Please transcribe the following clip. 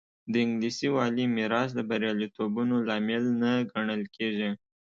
د انګلیسي والي میراث د بریالیتوبونو لامل نه ګڼل کېږي.